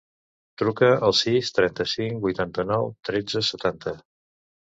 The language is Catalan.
Truca al sis, trenta-cinc, vuitanta-nou, tretze, setanta.